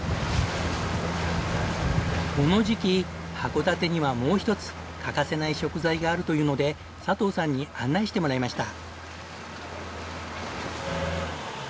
この時期函館にはもう一つ欠かせない食材があるというので佐藤さんに案内してもらいました。